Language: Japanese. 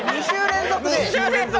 ２週連続。